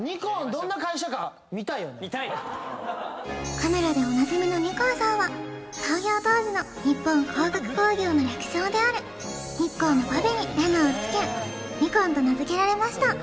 カメラでおなじみのニコンさんは創業当時の日本光学工業の略称であるニッコーの語尾に「Ｎ」を付けニコンと名付けられました